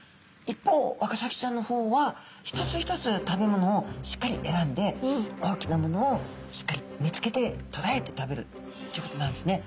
一方ワカサギちゃんの方は一つ一つ食べ物をしっかり選んで大きなものをしっかり見つけてとらえて食べるっていうことになるんですね。